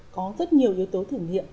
có rất nhiều yếu tố thử nghiệm